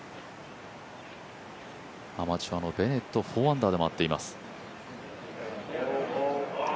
アマチュアのベネット、４アンダーでまわっています。